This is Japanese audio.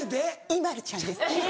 ＩＭＡＬＵちゃんです。